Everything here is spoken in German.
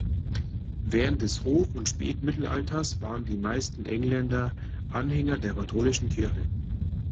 Während des Hoch- und Spätmittelalters waren die meisten Engländer Anhänger der katholischen Kirche.